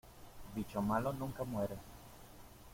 Bicho malo nunca muere.